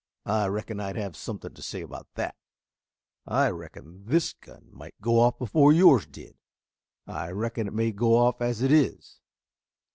"I reckon I'd have something to say about that; I reckon this gun might go off before yours did. I reckon it may go off as it is."